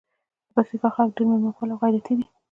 د پکتیکا خلګ ډېر میلمه پاله او غیرتي دي.